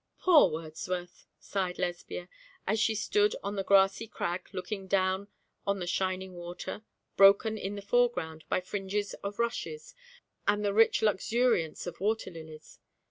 'Poor Wordsworth' sighed Lesbia, as she stood on the grassy crag looking down on the shining water, broken in the foreground by fringes of rushes, and the rich luxuriance of water lilies.